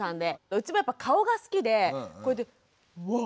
うちもやっぱ顔が好きでこうやってワッ！